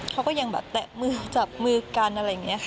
เขาก็ยังแบบแตะมือจับมือกันอะไรอย่างนี้ค่ะ